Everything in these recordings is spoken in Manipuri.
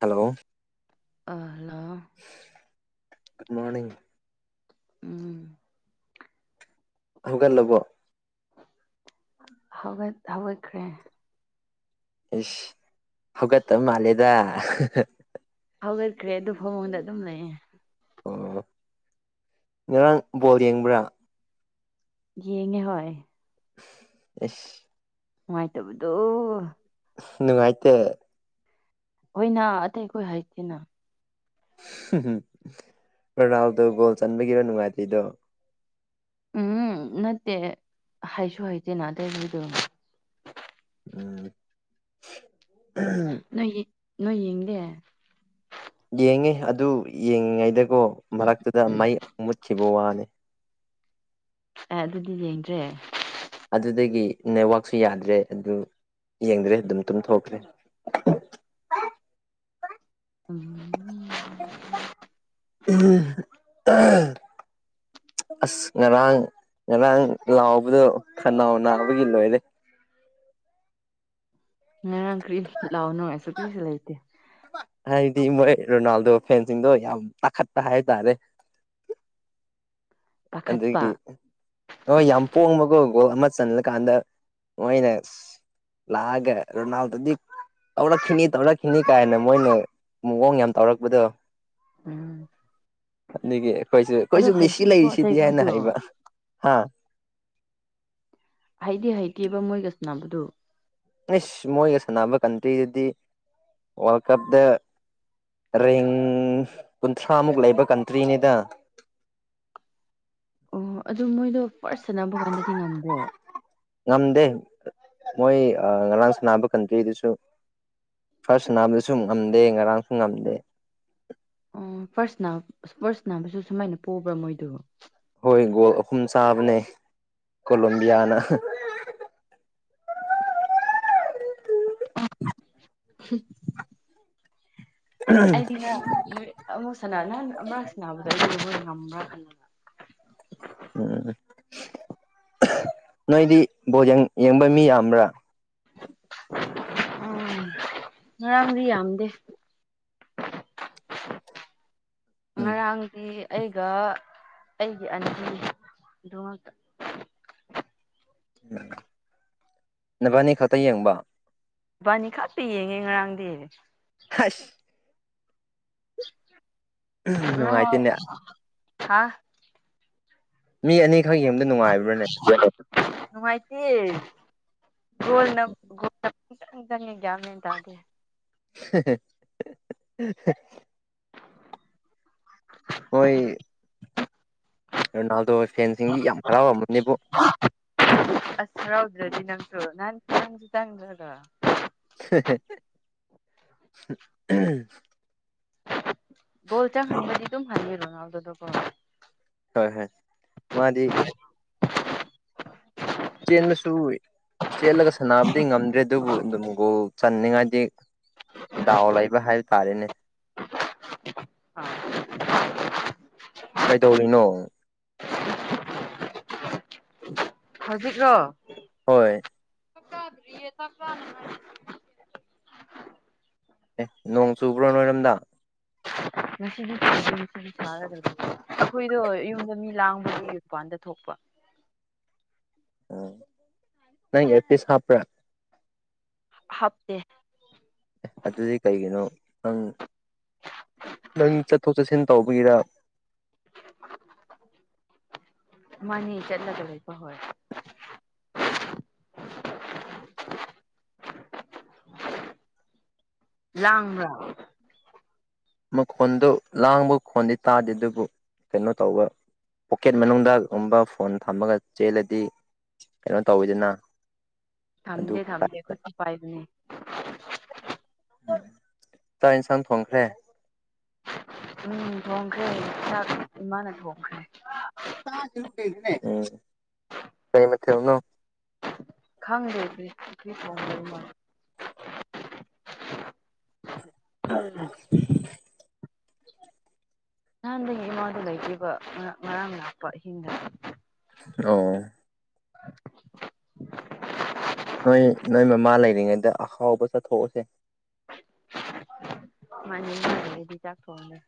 ꯍꯜꯂꯣ ꯑꯥ ꯍꯜꯂꯣ ꯒꯨꯠ ꯃꯣꯔꯅꯤꯡ ꯎꯝ ꯍꯧꯒꯥꯠꯂꯕꯣ ꯍꯧꯒꯠ ꯍꯧꯒꯠꯈ꯭ꯔꯦ ꯏꯁ ꯍꯧꯒꯠꯇ ꯃꯥꯜꯂꯦꯗ ꯍꯧꯒꯠꯈ꯭ꯔꯦ ꯑꯗꯨ ꯐꯃꯨꯡꯗ ꯑꯗꯨꯝ ꯂꯩꯌꯦꯦ ꯑꯣ ꯉꯔꯥꯡ ꯕꯣꯜ ꯌꯦꯡꯕ꯭ꯔꯥ ꯌꯦꯡꯉꯦ ꯍꯣꯏ ꯏꯁ ꯅꯨꯡꯉꯥꯏꯇꯕꯗꯨ ꯅꯨꯡꯉꯥꯏꯇꯦ ꯍꯣꯏꯅ ꯑꯇꯩꯈꯣꯏ ꯍꯩꯇꯦꯅ ꯔꯣꯅꯥꯜꯗꯣ ꯒꯣꯜ ꯆꯟꯕꯒꯤꯔ ꯅꯨꯡꯉꯥꯏꯇ꯭ꯔꯤꯗꯣ ꯎꯝ ꯅꯠꯇꯦ ꯍꯩꯁꯨ ꯍꯩꯇꯦꯅ ꯑꯗꯨꯏ ꯃꯤꯗꯨ ꯎꯝ ꯅꯣꯏꯒꯤ ꯅꯣꯏ ꯌꯦꯡꯗꯦ ꯌꯦꯡꯉꯤ ꯑꯗꯨ ꯌꯦꯡꯉꯤꯉꯩꯗꯒꯣ ꯃꯔꯛꯇꯨꯗ ꯃꯩ ꯃꯨꯠꯈꯤꯕ ꯋꯥꯅꯤ ꯑꯦ ꯑꯗꯨꯗꯤ ꯌꯦꯡꯗ꯭ꯔꯦ ꯑꯗꯨꯗꯒꯤ ꯅꯦꯠꯋꯥꯛꯁꯨ ꯌꯥꯗ꯭ꯔꯦ ꯑꯗꯨ ꯌꯦꯡꯗ꯭ꯔꯦ ꯑꯗꯨꯝ ꯇꯨꯝꯊꯣꯛꯈ꯭ꯔꯦ ꯎꯝ [inaudible] ꯑꯁ ꯉꯔꯥꯡ ꯉꯔꯥꯡ ꯂꯥꯎꯕꯗꯣ ꯈꯅꯥꯎ ꯅꯥꯕꯒꯤ ꯂꯣꯏꯔꯦ ꯉꯔꯥꯡ ꯀ꯭ꯔꯤ ꯂꯥꯎꯑꯣꯅꯣꯁꯨ ꯀꯔꯤꯁꯨ ꯂꯩꯇꯦ ꯍꯥꯏꯗꯤ ꯃꯣꯏ ꯔꯣꯅꯥꯜꯗꯣ ꯐꯦꯟꯁꯤꯡꯗꯣ ꯌꯥꯝ ꯇꯥꯈꯠꯄ ꯍꯥꯏꯇꯥꯔꯦ ꯄꯥꯈꯠꯄ ꯑꯗꯒꯤ ꯍꯣꯏ ꯌꯥꯝ ꯄꯣꯡꯕꯀꯣ ꯒꯣꯜ ꯑꯃ ꯆꯜꯂꯀꯥꯟꯗ ꯃꯣꯏꯅ ꯂꯥꯛꯑꯒ ꯔꯣꯅꯥꯜꯗꯣꯗꯤꯛ ꯇꯧꯔꯛꯈꯤꯅꯤ ꯇꯧꯔꯛꯈꯤꯅꯤ ꯀꯥꯏꯅ ꯃꯣꯏꯅ ꯃꯑꯣꯡ ꯌꯥꯝ ꯇꯧꯔꯛꯄꯗꯣ ꯎꯝ ꯑꯗꯒꯤ ꯑꯩꯈꯣꯏꯁꯨ ꯑꯗꯣ ꯑꯩꯈꯣꯏꯁꯨ ꯃꯦꯁꯤ ꯍꯩꯇꯦꯀꯣ ꯂꯩꯔꯤꯁꯤ ꯑꯇꯩꯈꯣꯏꯗꯣ ꯍꯥ ꯍꯩꯗꯤ ꯍꯩꯇꯦꯕ ꯃꯣꯏꯒ ꯁꯅꯕꯗꯨ ꯑꯩꯁ ꯃꯣꯏꯒ ꯁꯥꯟꯅꯕ ꯀꯟꯇ꯭ꯔꯤꯗꯨꯗꯤ ꯋꯥꯔꯜ ꯀꯞꯇ ꯔꯦꯡ ꯀꯨꯟꯊ꯭ꯔꯥꯃꯨꯛ ꯂꯩꯕ ꯀꯟꯇ꯭ꯔꯤꯅꯤꯗ ꯑꯣ ꯑꯗꯨ ꯃꯣꯏꯗꯣ ꯐꯥꯔꯁ‌ ꯁꯥꯟꯅꯕ ꯀꯥꯟꯗꯗꯤ ꯉꯝꯕ꯭ꯔꯣ ꯉꯝꯗꯦ ꯃꯣꯏ ꯉꯔꯥꯡ ꯁꯥꯟꯅꯕ ꯀꯟꯇ꯭ꯔꯤꯗꯨꯁꯨ ꯐꯥꯔꯁ ꯁꯅꯥꯕꯗꯨꯁꯨ ꯉꯝꯗꯦ ꯉꯔꯥꯡꯁꯨ ꯉꯝꯗꯦ ꯑꯣ ꯐꯥꯔꯁ ꯁꯅꯥ ꯐꯥꯔꯁ ꯁꯅꯥꯕꯁꯨ ꯁꯨꯃꯥꯏꯅ ꯄꯣꯕ꯭ꯔꯥ ꯃꯣꯏꯗꯨ ꯍꯣꯏ ꯒꯣꯜ ꯑꯍꯨꯝ ꯆꯥꯕꯅꯦ ꯀꯣꯂꯣꯝꯕꯤꯌꯥꯅ [inaudible] ꯍꯨꯝ ꯑꯩꯗꯤ ꯉꯔꯥꯡ ꯃꯣꯏ ꯑꯃꯨꯛ ꯁꯅꯅꯍꯟ ꯑꯃ ꯁꯅꯕꯗ ꯑꯩꯗꯤ ꯃꯣꯏ ꯉꯝꯕ꯭ꯔꯥ ꯈꯟꯕꯅꯦ ꯎꯝ ꯅꯣꯏꯗꯤ ꯕꯣꯜ ꯌꯦꯡ ꯌꯦꯡꯕ ꯃꯤ ꯌꯥꯝꯕ꯭ꯔꯥ ꯎꯝ ꯉꯔꯥꯡꯗꯤ ꯌꯥꯝꯗꯦ ꯎꯝ ꯉꯔꯥꯡꯗꯤ ꯑꯩꯒ ꯑꯩꯒꯤ ꯑꯅꯤ [unintelligible] ꯗꯨꯃꯛꯇ ꯅꯕꯥꯅꯤ ꯈꯛꯇ ꯌꯦꯡꯕ ꯏꯕꯥꯅꯤ ꯈꯛꯇ ꯌꯦꯡꯉꯦ ꯉꯔꯥꯡꯗꯤ ꯍꯁ ꯅꯨꯡꯉꯥꯏꯇꯦꯅꯦ [unintelligible] ꯍꯥꯥ ꯃꯤ ꯑꯅꯤꯈꯛ ꯌꯦꯡꯕꯗꯣ ꯅꯨꯡꯉꯥꯏꯇꯤꯌꯦ [unintelligible] ꯒꯣꯜꯅ ꯄꯨꯡꯆꯪ ꯆꯪꯑꯦ ꯒ꯭ꯌꯥꯟ ꯃꯦꯟ ꯇꯥꯗꯦ [inaudible] [inaudible] ꯍꯣꯏ ꯔꯣꯅꯥꯜꯗꯣ ꯐꯦꯟꯁꯤꯡꯗꯤ ꯌꯥꯝ ꯍꯔꯥꯎꯔꯝꯃꯅꯦꯕꯣ ꯑꯁ ꯍꯔꯥꯎꯗ꯭ꯔꯗꯤ ꯅꯪꯁꯨ ꯅꯥꯍꯥꯟ ꯅꯪꯁꯨ ꯆꯪꯗ꯭ꯔꯥꯗꯣ [inaudible] ꯒꯣꯜ ꯆꯪꯍꯟꯕꯗꯤ ꯑꯗꯨꯝ ꯍꯩꯌꯦ ꯔꯣꯅꯥꯜꯗꯣ ꯗꯣ ꯀꯣ ꯍꯣꯏ ꯍꯣꯏ ꯃꯥꯗꯤ ꯆꯦꯟꯕꯁꯨ ꯆꯦꯜꯂꯒ ꯁꯥꯟꯅꯕꯗꯤ ꯉꯝꯗ꯭ꯔꯦ ꯑꯗꯨꯕꯨ ꯑꯗꯨꯝ ꯒꯣꯜ ꯆꯟꯅꯤꯡꯉꯥꯏꯗꯤ ꯗꯥꯎ ꯂꯩꯕ ꯍꯥꯏ ꯇꯥꯔꯦꯅꯦ [unintelligible] ꯀꯩꯗꯧꯔꯤꯅꯣ ꯍꯧꯖꯤꯛꯔꯣ ꯍꯣꯏ ꯆꯥꯛ ꯆꯥꯗ꯭ꯔꯤꯌꯦ ꯆꯥꯛ ꯆꯥꯅꯤꯉꯥꯏ ꯑꯦ ꯅꯣꯡ ꯆꯨꯕ꯭ꯔꯣ ꯅꯣꯏꯔꯣꯝꯗꯥ ꯑꯁꯤꯗꯤ [unintelligible] ꯑꯩꯈꯣꯏꯗꯣ ꯌꯨꯝꯗ ꯃꯤ ꯂꯥꯡꯕꯒꯤ ꯃꯄꯥꯟꯗ ꯊꯣꯛꯄ ꯑ ꯅꯪ ꯏꯌꯥꯔꯄꯤꯁ ꯍꯞꯄ꯭ꯔꯥ ꯍꯞꯇꯦ ꯑꯗꯨꯗꯤ ꯀꯩꯒꯤꯅꯣ ꯅꯪ ꯅꯪ ꯆꯠꯊꯣꯛ ꯆꯠꯁꯤꯟ ꯇꯧꯕꯒꯤꯔ [unintelligible] ꯃꯥꯅꯤ ꯆꯠꯂꯒ ꯂꯩꯕ ꯍꯣꯏ ꯂꯥꯡꯕ꯭ꯔꯥ ꯃꯈꯣꯟꯗꯨ ꯂꯥꯡꯕ ꯈꯣꯟꯗꯤ ꯇꯥꯗꯦ ꯑꯗꯨꯕꯨ ꯀꯩꯅꯣ ꯇꯧꯕ ꯄꯣꯀꯦꯠ ꯃꯅꯨꯡꯗ ꯒꯨꯝꯕ ꯐꯣꯟ ꯊꯝꯃꯒ ꯆꯦꯜꯂꯗꯤ ꯀꯩꯅꯣ ꯇꯧꯋꯤꯗꯅ ꯑꯗꯨ ꯊꯝꯗꯦ ꯊꯝꯗꯦ ꯇꯥꯏꯞꯇ ꯈꯨꯠꯅ ꯄꯥꯏꯕꯅꯦ ꯆꯥꯛ ꯏꯟꯁꯥꯡ ꯊꯣꯡꯈ꯭ꯔꯦ ꯎꯝ ꯊꯣꯡꯈ꯭ꯔꯦ ꯆꯥꯛ ꯏꯃꯥꯅ ꯊꯣꯡꯈ꯭ꯔꯦ ꯎꯝ ꯀꯩ ꯃꯊꯦꯜꯅꯣ ꯈꯪꯗꯦ ꯀꯔꯤ ꯀꯔꯤ ꯊꯣꯡꯕꯔꯥ [unintelligible] [unintelligible] ꯅꯍꯥꯟꯗꯒꯤ ꯏꯃꯥꯗꯣ ꯂꯩꯇꯦꯕ ꯉꯥ ꯉꯔꯥꯡ ꯂꯥꯛꯄ ꯑꯍꯤꯡꯗ ꯑꯣ [unintelligible] ꯅꯣꯏ ꯅꯣꯏ ꯃꯃꯥ ꯂꯩꯔꯤꯉꯩꯗ ꯑꯍꯥꯎꯕ ꯆꯠꯊꯣꯛ ꯑꯣꯁꯦ [unintelligible] ꯃꯥꯅꯤꯗꯤ ꯂꯩꯔꯗꯤ ꯆꯥꯛ ꯊꯣꯡꯉꯦ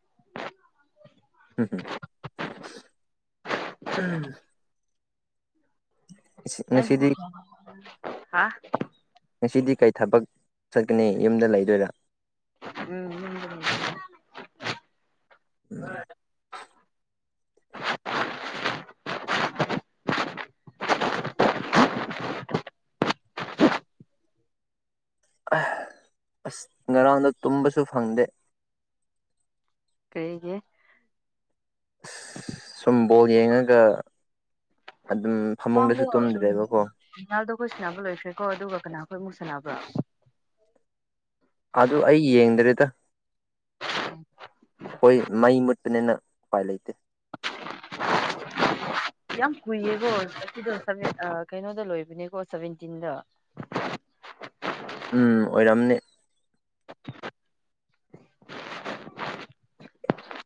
ꯍꯨꯝ ꯍꯨꯃ ꯎꯝ ꯉꯁꯤꯗꯤ [unintelligible] ꯉꯁꯤꯗꯤ ꯀꯩ ꯊꯕꯛ ꯆꯠꯀꯅꯤ ꯌꯨꯝꯗ ꯂꯩꯗꯣꯏꯔꯥ ꯎꯝ ꯌꯨꯝꯗ ꯂꯩꯗꯣꯏꯅꯦ ꯎꯝ ꯑꯁ ꯉꯔꯥꯡꯗꯣ ꯇꯨꯝꯕꯁꯨ ꯐꯪꯗꯦ ꯀꯥꯔꯤꯒꯤ ꯑꯁ ꯁꯨꯝ ꯕꯣꯜ ꯌꯦꯡꯉꯒꯥ ꯑꯗꯨꯝ ꯐꯃꯨꯡꯗꯁꯨ ꯃꯃꯥꯡꯗꯣ ꯎꯝ ꯇꯨꯝꯗ꯭ꯔꯦꯕꯀꯣ ꯔꯣꯅꯥꯜꯗꯣ ꯈꯣꯏ ꯁꯥꯟꯅꯕ ꯂꯣꯏꯈ꯭ꯔꯦꯀꯣ ꯑꯗꯨꯒ ꯀꯅꯥꯈꯣꯏ ꯑꯃꯨꯛ ꯁꯥꯟꯅꯕ꯭ꯔꯥ ꯑꯗꯨ ꯑꯩ ꯌꯦꯡꯗ꯭ꯔꯦꯗ ꯈꯣꯏ ꯃꯩ ꯃꯨꯠꯄꯅꯤꯅ ꯎꯄꯥꯏ ꯂꯩꯇꯦ ꯌꯥꯝ ꯀꯨꯏꯌꯦꯕꯣ [unintelligible] ꯑ ꯀꯩꯅꯣꯗ ꯂꯣꯏꯕꯅꯦꯀꯣ ꯁꯚꯦꯟꯇꯤꯟꯗ ꯎꯝ ꯑꯣꯏꯔꯝꯅꯤ [inaudible]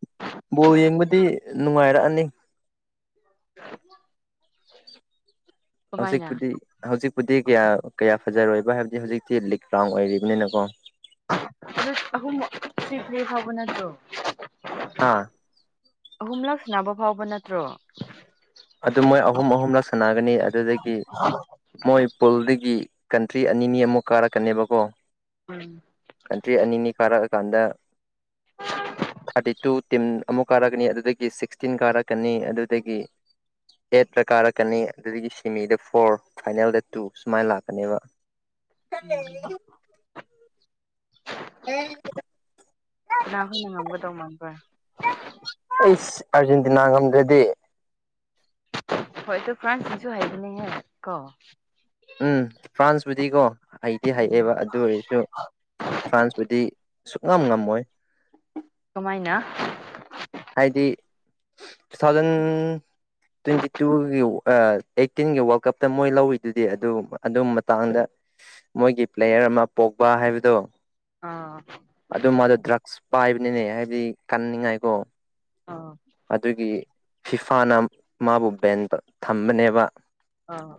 ꯕꯣꯜ ꯌꯦꯡꯕꯗꯤ ꯅꯨꯡꯉꯥꯏꯔꯛꯑꯅꯤ [unintelligible] ꯀꯃꯥꯏꯅ ꯍꯧꯖꯤꯛꯄꯨꯗꯤ ꯍꯧꯖꯤꯛꯄꯨꯗꯤ ꯀꯌꯥ ꯀꯌꯥ ꯐꯖꯔꯣꯏꯕ ꯍꯥꯏꯕꯗꯤ ꯍꯧꯖꯤꯛꯇꯤ ꯂꯤꯛ ꯔꯥꯎꯟ ꯑꯣꯏꯔꯤꯕꯅꯤꯅꯀꯣ [unintelligible] ꯑꯍꯨꯝꯃꯨꯛ ꯁꯤ ꯐ꯭ꯔꯤ ꯐꯧꯕ ꯅꯠꯇ꯭ꯔꯣ ꯍꯥꯥ꯫ ꯑꯍꯨꯝꯂꯛ ꯁꯅꯥꯕ ꯐꯥꯎꯕ ꯅꯠꯇ꯭ꯔꯣ꯫ ꯑꯗꯨ ꯃꯣꯏ ꯑꯍꯨꯝ ꯑꯍꯨꯝꯂꯛ ꯁꯅꯥꯒꯅꯤ ꯑꯗꯨꯗꯒꯤ ꯃꯣꯏ ꯄꯨꯜꯗꯒꯤ ꯀꯟꯇ꯭ꯔꯤ ꯑꯅꯤꯅꯤ ꯑꯃꯨꯛ ꯀꯥꯔꯛꯀꯅꯦꯕꯀꯣ꯫ ꯎꯝ ꯀꯟꯇ꯭ꯔꯤ ꯑꯅꯤꯅꯤ ꯀꯥꯔꯛꯑꯀꯥꯟꯗ ꯊꯥꯔꯇꯤ ꯇꯨ ꯇꯤꯝ ꯑꯃꯨꯛ ꯀꯥꯔꯛꯀꯅꯤ ꯑꯗꯨꯗꯒꯤ ꯁꯤꯛꯁꯇꯤꯟ ꯀꯥꯔꯛꯀꯅꯤ ꯑꯗꯨꯗꯒꯤ ꯑꯦꯠꯇ ꯀꯥꯔꯛꯀꯅꯤ ꯑꯗꯨꯗꯒꯤ ꯁꯤꯃꯤꯗ ꯐꯣꯔ ꯐꯥꯏꯅꯦꯜꯗ ꯇꯨ ꯁꯨꯃꯥꯏꯅ ꯂꯥꯛꯀꯅꯦꯕ꯫ [inaudible] ꯅꯥꯍꯟꯅ ꯉꯝꯒꯗꯧꯕ ꯃꯥꯟꯕ꯭ꯔꯥ꯫ ꯑꯩꯁ ꯑꯔꯖꯦꯟꯇꯤꯅꯥ ꯉꯝꯗ꯭ꯔꯗꯤ꯫ ꯍꯣꯏ ꯑꯗꫭ ꯐ꯭ꯔꯥꯟꯁ ꯁꯤꯡꯁꯨ ꯍꯥꯏꯕꯅꯦꯍꯦ ꯀꯣ꯫ ꯎꯝ ꯐ꯭ꯔꯥꯟꯁꯄꯨꯗꯤꯀꯣ ꯍꯩꯗꯤ ꯍꯩꯑꯦꯕ ꯑꯗꯨ ꯑꯣꯏꯔꯁꯨ ꯐ꯭ꯔꯥꯟꯁꯄꯨꯗꯤ ꯁꯨꯛꯉꯝ ꯉꯝꯃꯣꯏ꯫ ꯀꯃꯥꯏꯅ꯫ ꯍꯥꯏꯗꯤ ꯇꯨ ꯊꯥꯎꯖꯟ ꯇ꯭ꯋꯦꯟꯇꯤ ꯇꯨꯒꯤ ꯑ ꯑꯩꯠꯇꯤꯟꯒꯤ ꯋꯥꯔꯜ ꯀꯞꯇ ꯃꯣꯏ ꯂꯧꯋꯤꯗꯨꯗꯤ ꯑꯗꯨ ꯑꯗꯨꯝ ꯃꯇꯥꯡꯗ ꯃꯣꯏꯒꯤ ꯄ꯭ꯂꯦꯌꯔ ꯑꯃ ꯄꯣꯛꯕꯥ ꯍꯥꯏꯕꯗꯣ ꯑꯥ ꯑꯗꯨ ꯃꯥꯗꯣ ꯗ꯭ꯔꯛꯁ ꯄꯥꯏꯕꯅꯤꯅꯦ ꯍꯥꯏꯕꯗꯤ ꯀꯟꯅꯤꯡꯉꯥꯏꯀꯣ꯫ ꯑꯥ꯫ ꯑꯗꯨꯒꯤ ꯐꯤꯐꯥꯅ ꯃꯥꯕꯨ ꯕꯦꯟ ꯊꯝꯕꯅꯦꯕ꯫ ꯑꯥ꯫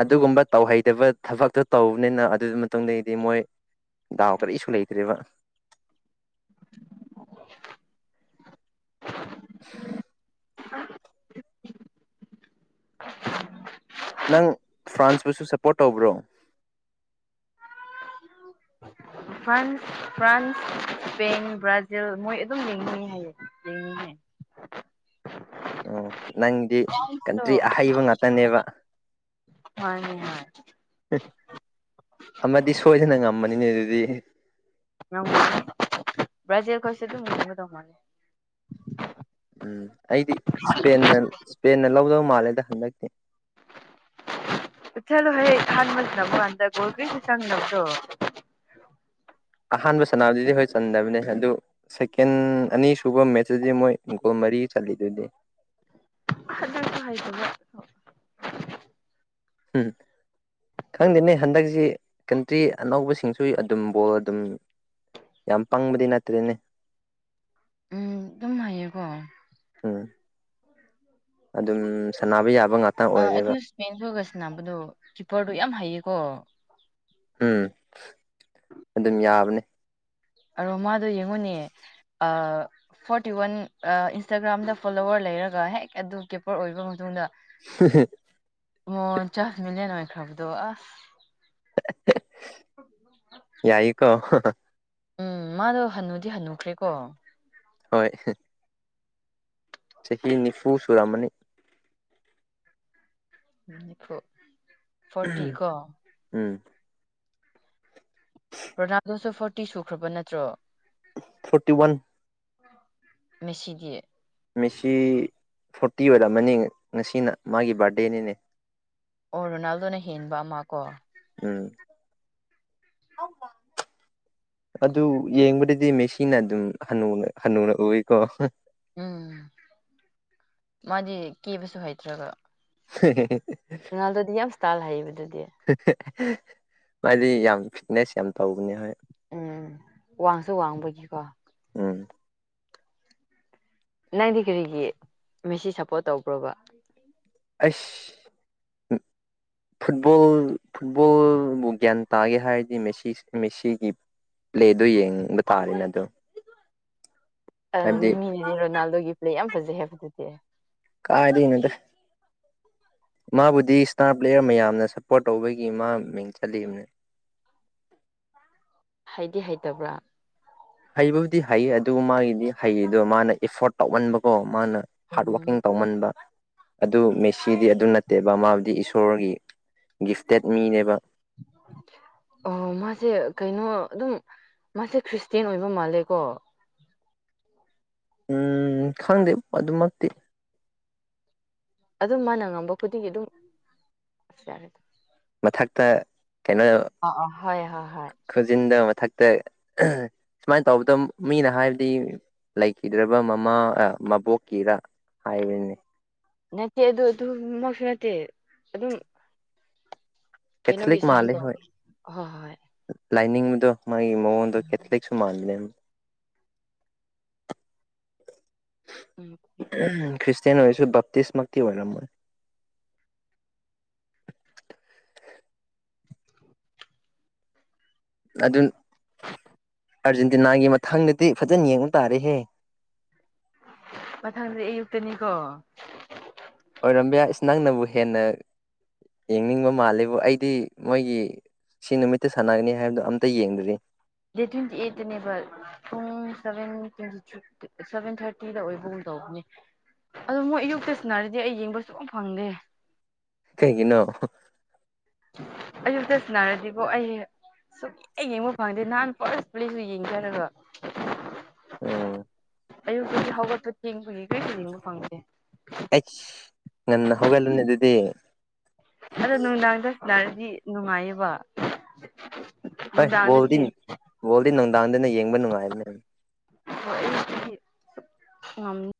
ꯑꯗꯨꯒꯨꯝꯕ ꯇꯧꯍꯩꯗꯕ ꯊꯕꯛꯇꯣ ꯇꯧꯕꯅꯤꯅ ꯑꯗꯨ ꯃꯇꯨꯡꯗꯒꯤꯗꯤ ꯃꯣꯏ ꯗꯥꯎ ꯀꯔꯤꯁꯨ ꯂꯩꯇ꯭ꯔꯦꯕ꯫ [unintelligible] [unintelligible] ꯅꯪ ꯐ꯭ꯔꯥꯟꯁꯄꯨꯁꯨ ꯁꯞꯄꯣꯔꯠ ꯇꯧꯕ꯭ꯔꯣ꯫ [inaudible] ꯐ꯭ꯔꯥꯟꯁ ꯐ꯭ꯔꯥꯟꯁ ꯏꯁ꯭ꯄꯦꯟ ꯕ꯭ꯔꯥꯖꯤꯜ ꯃꯣꯏ ꯑꯗꯨꯝ ꯂꯦꯡꯅꯤꯡꯉꯤ ꯍꯥꯏꯌꯦ ꯂꯦꯡꯅꯤꯡ ꯍꯥꯏꯌꯦ꯫ ꯑꫭ ꯅꯪꯗꯤ ꯀꯟꯇ꯭ꯔꯤ ꯑꯍꯩꯕ ꯉꯥꯛꯇꯅꯦꯕ꯫ [inaudible] ꯑꯃꯗꯤ ꯁꯣꯏꯗꯅ ꯉꯝꯃꯅꯤꯅꯦ ꯑꯗꯨꯗꯤ꯫ [inaudible] ꯎꯝ ꯑꯩꯗꯤ ꯁ꯭ꯄꯦꯟꯅ ꯁ꯭ꯄꯦꯟꯅ ꯂꯧꯗꯧ ꯃꯥꯜꯂꯦꯗ ꯍꯟꯗꯛꯇꯤ꯫ ꯆꯠꯂꯣ ꯍꯦ ꯑꯍꯟꯕ ꯁꯅꯥꯕꯀꯥꯟꯗ ꯒꯣꯜ ꯀꯔꯤꯁꯨ ꯆꯪꯗꯕꯗꫭ꯫ ꯑꯍꯥꯟꯕ ꯁꯅꯥꯕꯗꯗꯤ ꯍꯣꯏ ꯆꯟꯗꯕꯅꯦ ꯑꯗꯨ ꯁꯦꯀꯦꯟ ꯑꯅꯤ ꯁꯨꯕ ꯃꯦꯠꯁꯇꯗꯤ ꯃꯣꯏ ꯒꯣꯜ ꯃꯔꯤ ꯆꯜꯂꯤꯗꯨꯗꯤ꯫ [inaudible] ꯎꯝ꯫ ꯈꯪꯗꯦꯅꯦ ꯍꯟꯗꯛꯁꯤ ꯀꯟꯇ꯭ꯔꯤ ꯑꯅꯧꯕꯁꯤꯡꯁꯨ ꯑꯗꯨꯝ ꯕꯣꯜ ꯑꯗꯨꯝ ꯌꯥꯝ ꯄꯪꯕꯗꯤ ꯅꯠꯇ꯭ꯔꯦꯅꯦ꯫ ꯎꯝ ꯑꯗꯨꯝ ꯍꯩꯌꯦꯀꯣ꯫ ꯎꯝ ꯑꯗꯨꯝ ꯁꯅꯥꯕ ꯌꯥꯕ ꯉꯥꯛ ꯑ ꯑꯗꯨ ꯁ꯭ꯄꯦꯟꯈꫭꯏꯒ ꯁꯅꯥꯕꯗꯣ ꯀꯤꯄꯔꯗꫭ ꯌꯥꯝ ꯍꯩꯌꯦꯀꯣ꯫ ꯎꯝ ꯑꯗꯨꯝ ꯌꯥꯕꯅꯦ꯫ ꯑꯔꫭ ꯃꯥꯗꯣ ꯌꯦꯡꯉꫭꯅꯦ ꯑ ꯐꯣꯔꯇꯤ ꯋꯥꯟ ꯑꯥ ꯏꯟꯁꯇꯥꯒ꯭ꯔꯥꯝꯗ ꯐꯣꯂꯣꯋꯔ ꯂꯩꯔꯒ ꯍꯦꯛ ꯑꯗꯨ ꯀꯦꯄꯔ ꯑꯣꯏꯕ ꯃꯇꯨꯡꯗ ꯍ ꯍꯦ ꯃꯣꯟ ꯆꯥꯁ ꯃꯤꯂꯤꯌꯟ ꯑꯣꯏꯈ꯭ꯔꯕꯗꯣ ꯑꯁ ꯌꯥꯏꯌꯦꯀꯣ ꯎꯝ ꯃꯥꯗꯣ ꯍꯟꯅꯨꯗꯤ ꯍꯟꯅꯨꯈ꯭ꯔꯦꯀꯣ ꯍꯣꯏ ꯆꯍꯤ ꯅꯤꯐꯨ ꯁꯨꯔꯝꯃꯅꯤ ꯎꯝ ꯅꯤꯐꯨ ꯐꯣꯔꯇꯤ ꯀꯣ ꯎꯝ ꯔꯣꯅꯥꯜꯗꯣꯁꯨ ꯐ꯭ꯔꯣꯠ ꯇꯤ ꯁꯨꯈ꯭ꯔꯕ ꯅꯠꯇ꯭ꯔꯣ ꯐꯣꯔꯇꯤ ꯋꯥꯟ ꯃꯦꯁꯤꯗꯤ ꯃꯤꯁꯤ ꯐꯣꯔꯇꯤ ꯑꯣꯏꯔꯝꯃꯅꯤ ꯉꯁꯤꯅ ꯃꯥꯒꯤ ꯕꯥꯔꯗꯦꯅꯤꯅꯦ ꯑꯣ ꯔꯣꯅꯥꯜꯗꯣꯅ ꯍꯦꯟꯕ ꯑꯃ ꯀꯣ ꯎꯝ [inaudible] ꯑꯗꯨ ꯌꯦꯡꯕꯗꯗꯤ ꯃꯦꯁꯤꯅ ꯑꯗꯨꯝ ꯍꯟꯅꯨꯅ ꯍꯟꯅꯨꯅ ꯎꯏꯌꯦꯀꯣ ꯎꯝ ꯃꯥꯗꯤ ꯀꯦꯕꯁꯨ ꯍꯩꯇ꯭ꯔꯒ [unintelligible] ꯔꯣꯅꯥꯜꯗꯣꯗꯤ ꯌꯥꯝ ꯏꯁ꯭ꯇꯥꯜ ꯍꯩꯕꯗꯨꯗꯤ ꯃꯥꯗꯤ ꯌꯥꯝ ꯐꯤꯠꯅꯦꯁ ꯌꯥꯝ ꯇꯧꯕꯅꯦ ꯍꯣꯏ ꯎꯝ ꯋꯥꯡꯁꯨ ꯋꯥꯡꯕꯒꯤꯀꯣ ꯎꯝ ꯅꯪꯗꯤ ꯀꯔꯤꯒꯤ ꯃꯦꯁꯤ ꯁꯞꯄꯣꯔꯠ ꯇꯧꯕ꯭ꯔꯕ ꯑꯩꯁ ꯐꯨꯠꯕꯣꯜ ꯐꯨꯠꯕꯣꯜꯕꯨ ꯒ꯭ꯌꯥꯟ ꯇꯥꯒꯦ ꯍꯥꯏꯔꯗꯤ ꯃꯦꯁꯤ ꯃꯦꯁꯤꯒꯤ ꯄ꯭ꯂꯦꯗꯣ ꯌꯦꯡꯕ ꯇꯥꯔꯦꯅꯦ ꯑꯗꯨꯝ ꯑꯥ ꯃꯤꯅꯗꯤ ꯔꯣꯅꯥꯜꯗꯣꯒꯤ ꯄ꯭ꯂꯦ ꯌꯥꯝ ꯐꯖꯩ ꯍꯥꯏꯕꯗꯨꯗꯤ ꯀꯥꯏꯗꯩꯅꯣꯗ ꯃꯥꯕꯨꯗꯤ ꯏꯁꯇꯥꯔ ꯄ꯭ꯂꯦꯌꯔ ꯃꯌꯥꯝꯅ ꯁꯞꯄꯣꯔꯠ ꯇꯧꯕꯒꯤ ꯃꯥ ꯃꯤꯡ ꯆꯠꯂꯤꯕꯅꯦ ꯍꯩꯗꯤ ꯍꯩꯇꯕ꯭ꯔꯥ ꯍꯩꯕꯕꯨꯗꯤ ꯍꯩꯌꯦ ꯑꯗꯨ ꯃꯥꯒꯤꯗꯤ ꯍꯩꯌꯤꯗꯣ ꯃꯥꯅ ꯏꯐꯣꯔꯠ ꯇꯧꯃꯟꯕꯀꯣ ꯃꯥꯅ ꯍꯥꯔꯠ ꯋꯥꯀꯤꯡ ꯎꯝ ꯇꯧꯃꯟꯕ ꯑꯗꯨ ꯃꯦꯁꯤꯗꯤ ꯑꯗꯨ ꯅꯠꯇꯦꯕ ꯃꯥꯕꯨꯗꯤ ꯏꯁꯣꯔꯒꯤ ꯒꯤꯐꯇꯦꯠ ꯃꯤꯅꯦꯕ [inaudible] ꯑꯣ ꯃꯥꯁꯦ ꯀꯩꯅꯣ ꯑꯗꯨꯝ ꯃꯥꯁꯦ ꯈ꯭ꯔꯤꯁꯇꯦꯟ ꯑꯣꯏꯕ ꯃꯥꯜꯂꯦꯀꯣ ꯎꯝ ꯈꯪꯗꯦ ꯑꯗꯨꯃꯛꯇꯤ ꯑꯗꯨꯝ ꯃꯥꯅ ꯉꯝꯕ ꯈꯨꯗꯤꯡꯒꯤ ꯑꯗꯨꯝ ꯑꯁ ꯌꯥꯔꯦꯗ ꯃꯊꯛꯇ ꯀꯩꯅꯣ ꯑ ꯑ ꯍꯣꯏ ꯍꯣꯏ ꯍꯣꯏ ꯈꯨꯟꯖꯤꯟꯗꯣ ꯃꯊꯛꯇ ꯁꯨꯃꯥꯏꯅ ꯇꯧꯕꯗ ꯃꯤꯅ ꯍꯥꯏꯕꯗꯤ ꯂꯩꯈꯤꯗ꯭ꯔꯕ ꯃꯃꯥ ꯑꯥ ꯃꯕꯣꯛꯀꯤꯔ ꯍꯥꯏꯕꯅꯤ ꯅꯠꯇꯦ ꯑꯗꯨ ꯑꯗꯨꯃꯛꯁꯨ ꯅꯠꯇꯦ ꯑꯗꯨꯝ ꯀꯩꯅꯣꯒꯤ ꯁꯥꯏꯟ ꯇꯧꯒꯦ ꯍꯣꯏ ꯍꯣꯏ ꯂꯥꯏꯅꯤꯡꯕꯗꯨ ꯃꯥꯒꯤ ꯃꯑꯣꯟ ꯀꯦꯊꯂꯤꯛ [unintelligible] ꯎꯝ ꯎꯝ ꯈ꯭ꯔꯤꯁꯥꯇꯦꯟ ꯑꯣꯏꯁꯨ ꯕꯛꯇꯤꯁ ꯃꯥꯛꯇꯤ ꯑꯣꯏꯔꯝꯃꯣꯏ꯫ [inaudible] ꯑꯗꯨ ꯑꯥꯔꯖꯦꯟꯇꯤꯅꯥꯒꯤ ꯃꯊꯥꯡꯗꯗꯤ ꯐꯖꯅ ꯌꯦꯡꯕ ꯇꯥꯔꯦꯍꯦ꯫ ꯃꯊꯪꯗꯤ ꯑꯌꯨꯛꯇꯅꯤꯀꯣ꯫ ꯑꯣꯏꯔꯝꯕꯌꯥ ꯏꯁ ꯅꯪꯅꯕꯨ ꯍꯦꯟꯅ ꯌꯦꯡꯅꯤꯡꯕ ꯃꯥꯂꯦꯕꯨ ꯑꯩꯗꯤ ꯃꯣꯏꯒꯤ ꯁꯤ ꯅꯨꯃꯤꯠꯇ ꯁꯥꯟꯅꯒꯅꯤ ꯍꯥꯏꯕꯗꯣ ꯑꯝꯇ ꯌꯦꯡꯗ꯭ꯔꯤ꯫ ꯗꯦ ꯇ꯭ꯋꯦꯟꯇꯤ ꯑꯦꯠ ꯇꯅꯦꯕ꯫ ꯄꯨꯡ ꯁꯚꯦꯟ ꯇ꯭ꯋꯦꯟꯇꯤ ꯁꯚꯦꯟ ꯊꯥꯔꯇꯤꯗ ꯑꯣꯏꯕꯒꯨꯝ ꯇꯧꯕꯅꯦ꯫ ꯑꯗꯣ ꯃꯣꯏ ꯑ꯫ꯌꯨꯛꯇ ꯁꯥꯟꯅꯔꯗꯤ ꯑꯩ ꯌꯦꯡꯕꯁꯨ ꯐꯪꯗꯦ ꯀꯩꯒꯤ ꯅꯣ꯫ ꯑꯩꯌꯨꯇ ꯁꯥꯟꯅꯔꯗꯤꯕꯣ ꯑꯩ ꯁꯨꯉꯦ ꯌꯦꯡꯕ ꯐꯪꯗꯦ ꯅꯍꯥꯟ ꯐꯥꯔꯁ ꯄ꯭ꯂꯦꯁꯇ ꯌꯦꯡꯖꯔꯒ꯫ ꯎꯝ ꯑꯌꯨꯛꯇꯗꯤ ꯍꯧꯒꯠꯄ ꯊꯦꯡꯕꯒꯤ ꯀꯔꯤꯁꯨ ꯌꯦꯡꯕ ꯐꯪꯗꯦ꯫ ꯑꯩꯁ ꯉꯟꯅ ꯍꯧꯒꯠꯂꯨꯅꯦ ꯑꯗꯨꯗꯤ꯫ ꯑꯗꯣ ꯅꯨꯡꯗꯥꯡꯗ ꯁꯥꯟꯅꯔꯗꯤ ꯅꯨꯡꯉꯥꯏꯌꯦꯕ꯫ ꯍꯣꯏ ꯅꯨꯡꯗꯥꯡꯗꯗꯤ ꯕꯣꯜꯗꯤ ꯕꯣꯜꯗꯤ ꯅꯨꯡꯗꯥꯡꯗꯅ ꯌꯦꯡꯕ ꯅꯨꯡꯉꯥꯏꯕꯅꯦ꯫ ꯍꯣ ꯑꯩ [unintelligible] ꯉꯥꯝ